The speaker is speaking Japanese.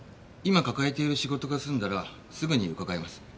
今抱えてる仕事が済んだらすぐに伺います。